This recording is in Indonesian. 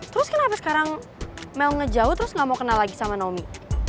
terus kenapa sekarang mel ngejauh terus nggak mau kenal lagi sama nomi